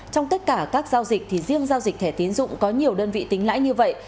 trong tất cả các giao dịch thì riêng giao dịch thẻ tiến dụng có nhiều đơn vị tính lãi như vậy